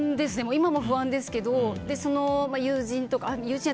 今も不安ですけど友人とかに。